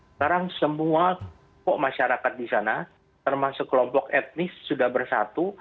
sekarang semua masyarakat di sana termasuk kelompok etnis sudah bersatu